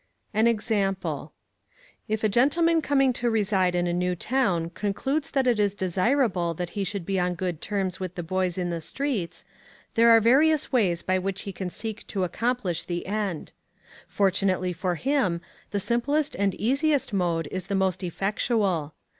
An Example. If a gentleman coming to reside in a new town concludes that it is desirable that he should be on good terms with the boys in the streets, there are various ways by which he can seek to accomplish the end. Fortunately for him, the simplest and easiest mode is the most effectual.